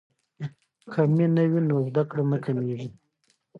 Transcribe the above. که مینه وي نو زده کړه نه کمیږي.